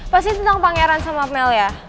pasti tentang pangeran sama mel ya